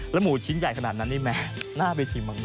หมูชิ้นใหญ่ขนาดนั้นนี่แม่น่าไปชิมมาก